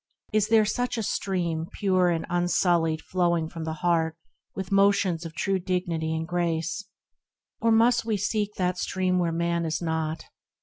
Is there such a stream Pure and unsullied flowing from the heart 28 THE RECLUSE With motions of true dignity and grace ? Or must we seek that stream where Man is not?